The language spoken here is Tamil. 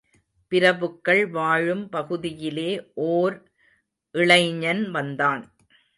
பிரபுக்கள் வாழும் பகுதியிலே ஓர் இளைஞன் வந்தான்.